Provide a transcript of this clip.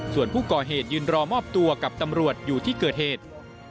ส่วนผู้ก่อเหตุยืนรอมอบตัวกับตำรวจอยู่ที่เกิดเหตุ